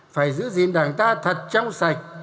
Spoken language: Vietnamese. phải giữ gìn đảng ta thật trong sạch